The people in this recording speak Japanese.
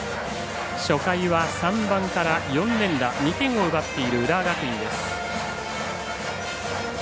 初回は３番から４連打２点を奪っている浦和学院です。